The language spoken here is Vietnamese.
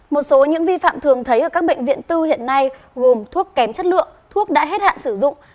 một số những vi phạm thường thấy ở các bệnh viện tư hiện nay gồm thuốc kém chất lượng thuốc đã hết hạn sử dụng